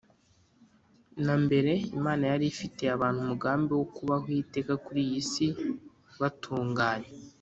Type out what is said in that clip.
Na Mbere Imana Yari Ifitiye Abantu Umugambi Wo Kubaho Iteka Kuri Iyi Si Batunganye